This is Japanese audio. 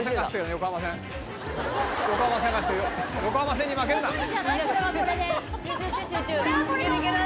横浜線に負けるな。